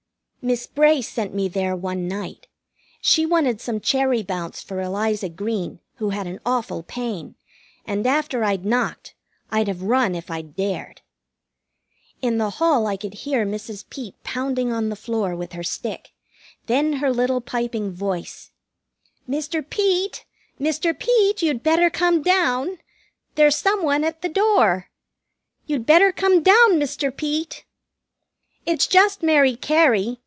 Miss Bray sent me there one night. She wanted some cherry bounce for Eliza Green, who had an awful pain, and after I'd knocked, I'd have run if I'd dared. In the hall I could hear Mrs. Peet pounding on the floor with her stick. Then her little piping voice: "Mr. Peet, Mr. Peet, you'd better come down! There's some one at the door! You'd better come down, Mr. Peet!" "It's just Mary Cary!"